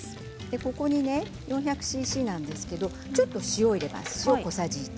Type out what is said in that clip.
ここに４００ｃｃなんですけどちょっとお塩を入れますね。